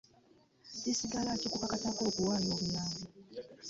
Kisigala kikukatako okuwaayo obuyambi.